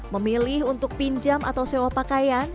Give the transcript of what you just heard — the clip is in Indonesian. memilih untuk pinjam atau sewa pakaian